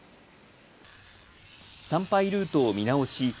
参拝ルートを見直し